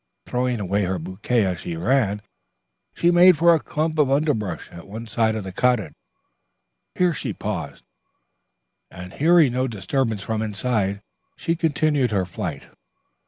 Throwing away her bouquet as she ran, she made for a clump of underbrush at one side of the cottage. Here she paused, and hearing no disturbance from inside, she continued her flight.